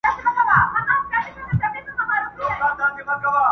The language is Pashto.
د ازل غشي ویشتلی پر ځیګر دی٫